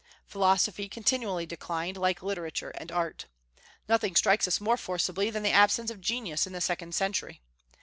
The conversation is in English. Philosophy continually declined, like literature and art. Nothing strikes us more forcibly than the absence of genius in the second century.